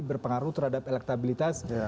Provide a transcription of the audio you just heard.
berpengaruh terhadap elektabilitas